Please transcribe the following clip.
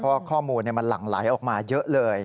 เพราะข้อมูลมันหลั่งไหลออกมาเยอะเลย